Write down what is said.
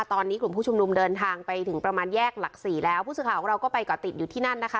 ตอนนี้กลุ่มผู้ชุมนุมเดินทางไปถึงประมาณแยกหลักสี่แล้วผู้สื่อข่าวของเราก็ไปเกาะติดอยู่ที่นั่นนะคะ